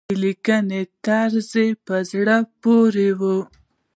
د لیکنې طرز يې په زړه پورې وي.